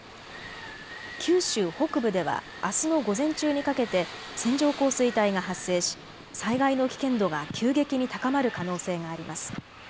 九州北部ではあすの午前中にかけて線状降水帯が発生し災害の危険度が急激に高まる可能性があります。